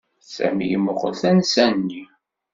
Sami yemmuqqel tansa-nni.